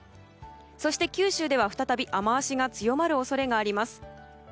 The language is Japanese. そして九州では再び雨脚が強まる恐れがあります。